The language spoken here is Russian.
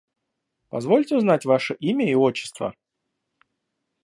Позвольте узнать ваше имя и отчество?